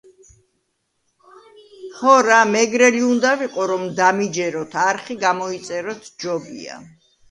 ხო რა მეგრელი უნდა ვიყო რომ დამიჯეროთ არხი გამოიწეროთ ჯობია